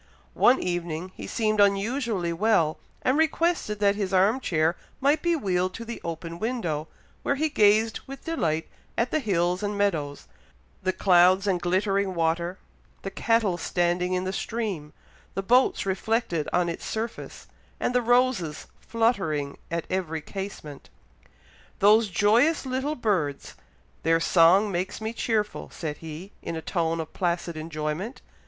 One evening, he seemed unusually well, and requested that his arm chair might be wheeled to the open window, where he gazed with delight at the hills and meadows, the clouds and glittering water, the cattle standing in the stream, the boats reflected on its surface, and the roses fluttering at every casement. "Those joyous little birds! their song makes me cheerful," said he, in a tone of placid enjoyment.